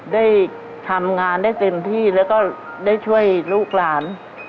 ได้ทำงานได้เต็มที่แล้วก็ได้ช่วยลูกหลาน